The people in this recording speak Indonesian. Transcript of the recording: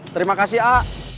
terima kasih a